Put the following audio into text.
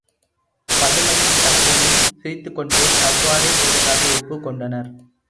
பதுமையும் தத்தையும் சிரித்துக் கொண்டே அவ்வாறே செய்வதாக ஒப்புக் கொண்டனர்.